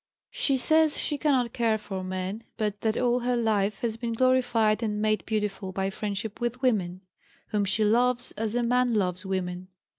She says she cannot care for men, but that all her life has been "glorified and made beautiful by friendship with women," whom she loves as a man loves women.